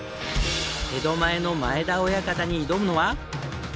江戸前の前田親方に挑むのは。